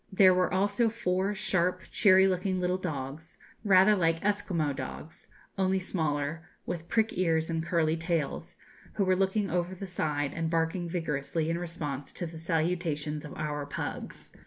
There were also four sharp, cheery looking little dogs, rather like Esquimaux dogs, only smaller, with prick ears and curly tails, who were looking over the side and barking vigorously in response to the salutations of our pugs.